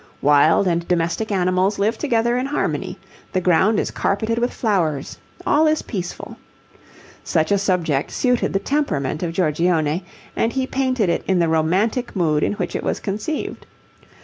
Wild and domestic animals live together in harmony; the ground is carpeted with flowers; all is peaceful. Such a subject suited the temperament of Giorgione, and he painted it in the romantic mood in which it was conceived.